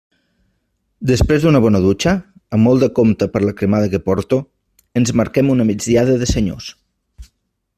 Després d'una bona dutxa, amb molt de compte per la cremada que porto, ens marquem una migdiada de senyors.